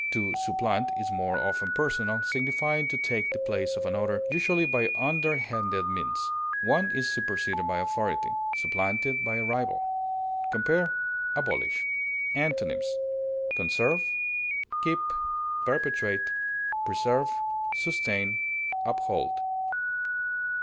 To supplant is more often personal, signifying to take the place of another, usually by underhanded means; one is superseded by authority, supplanted by a rival. Compare ABOLISH. Antonyms: conserve, keep, perpetuate, preserve, sustain, uphold.